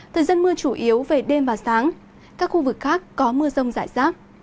thời gian mưa chủ yếu về đêm và sáng các khu vực khác có mưa rông rải rác